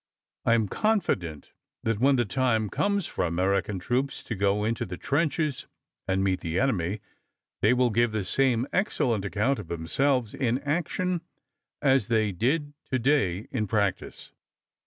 I am confident that when the time comes for American troops to go into the trenches and meet the enemy they will give the same excellent account of themselves in action as they did to day in practice."